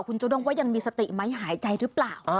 คุณจูด้งว่ายังมีสติไหมหายใจหรือเปล่า